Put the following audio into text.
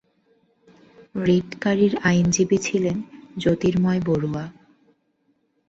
রিটকারীর আইনজীবী ছিলেন জ্যোতির্ময় বড়ুয়া।